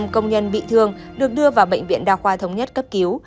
năm công nhân bị thương được đưa vào bệnh viện đa khoa thống nhất cấp cứu